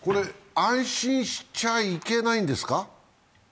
これは安心しちゃいけないんですか？